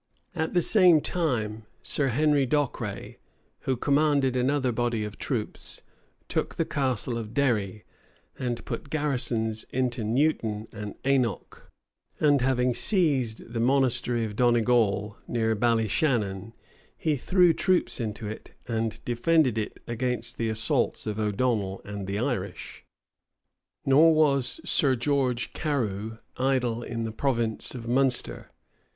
At the same time, Sir Henry Docwray, who commanded another body of troops, took the Castle of Derry, and put garrisons into Newton and Ainogh; and having seized the monastery of Donnegal, near Balishannon, he threw troops into it, and defended it against the assaults of O'Donnel and the Irish. Nor was Sir George Carew idle in the province of Munster.